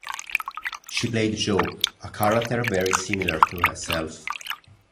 She played Jo, a character very similar to herself.